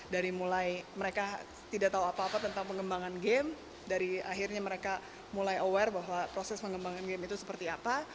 dari mulai mereka tidak tahu apa apa tentang pengembangan game dari akhirnya mereka mulai aware bahwa proses pengembangan game itu seperti apa